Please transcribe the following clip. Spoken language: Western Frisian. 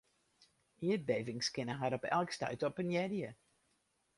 Ierdbevings kinne har op elk stuit oppenearje.